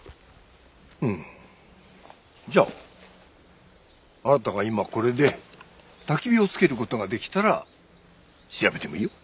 うーんじゃああなたが今これで焚き火をつける事ができたら調べてもいいよ。